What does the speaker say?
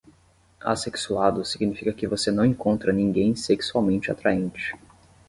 Assexuado significa que você não encontra ninguém sexualmente atraente.